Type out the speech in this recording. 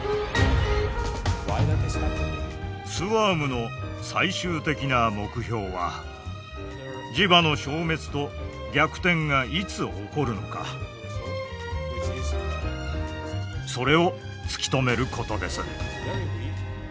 ＳＷＡＲＭの最終的な目標は磁場の消滅と逆転がいつ起こるのかそれを突き止めることです。